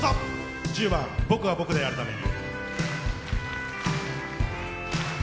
１０番「僕が僕であるために」。